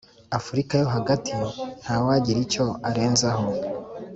afurika yo hagati.» nta wagira icyo arenzaho!